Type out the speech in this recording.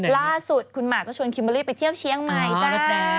ล่าสุดคุณหมากก็ชวนคิมเบอร์รี่ไปเที่ยวเชียงใหม่จ้า